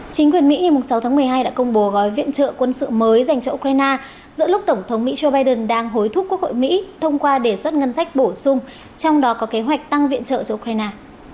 chính quyền mỹ ngày sáu tháng một mươi hai đã công bố gói viện trợ quân sự mới dành cho ukraine giữa lúc tổng thống mỹ joe biden đang hối thúc quốc hội mỹ thông qua đề xuất ngân sách bổ sung trong đó có kế hoạch tăng viện trợ cho ukraine